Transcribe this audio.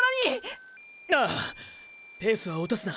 ああペースはおとすな！！